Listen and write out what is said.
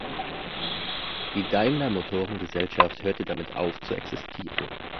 Die "Daimler-Motoren-Gesellschaft" hörte damit auf zu existieren.